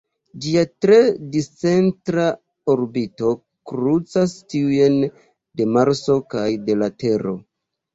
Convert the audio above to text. Ĝia tre discentra orbito krucas tiujn de Marso kaj de la Tero.